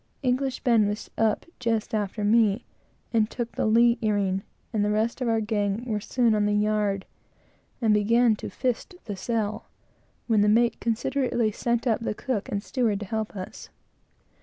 English Ben was on the yard just after me, and took the lee earing, and the rest of our gang were soon on the yard, and began to fist the sail, when the mate considerately sent up the cook and steward, to help us.